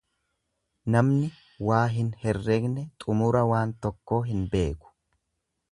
Namni waa hin herregne xumura waan tokkoo hin beeku.